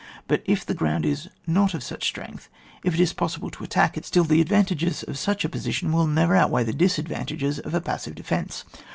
But if the ground is not of such strength, if it is possible to attack it, still the advantages of such a position will never outweigh the disadvan tages of a passive defence.